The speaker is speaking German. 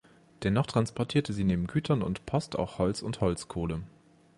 Danach transportierte sie neben Gütern und Post auch Holz und Holzkohle.